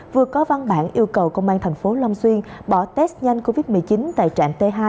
vừa có văn bản yêu cầu công an thành phố long xuyên bỏ test nhanh covid một mươi chín tại trạm t hai